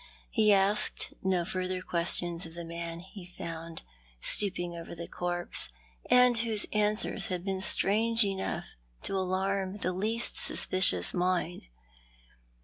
He asked no further questions of the man he had found stooping over the corpse, and whose answers had been strange "What do yo2t know about this?" m enougli to alarm the least suspicious mind.